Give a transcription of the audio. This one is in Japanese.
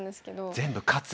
「全部勝つ」。